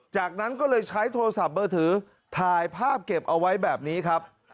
จากนั้นก็เลยใช้โทรศัพท์มือถือถ่ายภาพเก็บเอาไว้แบบนี้ครับ